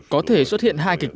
có thể xuất hiện hai kế hoạch